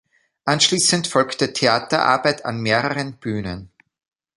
Anschließend folgte Theaterarbeit an mehreren Bühnen.